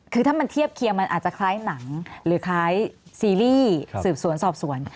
คือถ้ามันเทียบเคียงมันอาจจะคล้ายหนังหรือคล้ายซีรีส์สืบสวนสอบสวน